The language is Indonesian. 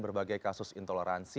berbagai kasus intoleransi